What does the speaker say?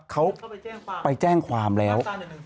เขาไปแจ้งความแล้ว